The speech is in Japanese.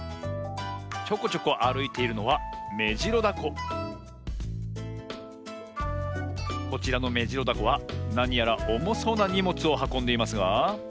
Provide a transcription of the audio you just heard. ちょこちょこあるいているのはこちらのメジロダコはなにやらおもそうなにもつをはこんでいますが。